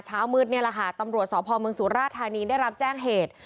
เช้ามืดนี่แหละค่ะตำรวจสพเมืองสุราธานีได้รับแจ้งเหตุ